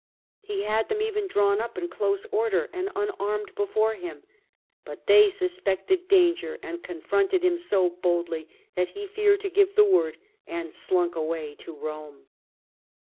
He had them even drawn up in close order and unarmed before him, but they suspected danger and confronted him so boldly that he feared to give the word and slunk away to Rome.